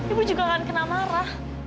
ibu juga akan kena marah